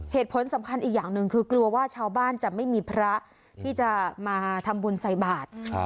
เหตุผลสำคัญอีกอย่างหนึ่งคือกลัวว่าชาวบ้านจะไม่มีพระที่จะมาทำบุญใส่บาท